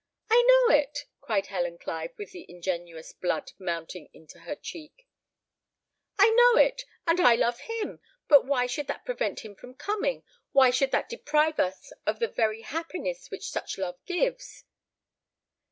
"I know it," cried Helen Clive, with the ingenuous blood mounting into her cheek; "I know it, and I love him; but why should that prevent him from coming? Why should that deprive us of the very happiness which such love gives?"